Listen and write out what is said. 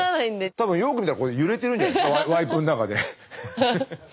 多分よく見たら揺れてるんじゃないですかワイプの中で。